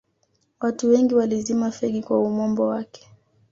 watu wengi walizima fegi kwa umombo wake